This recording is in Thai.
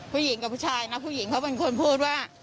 ผู้หญิงกับผู้ชายนะผู้หญิงเขาเป็นคนพูดว่า